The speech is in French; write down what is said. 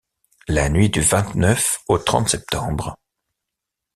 La nuit du vingt-neuf au trente septembre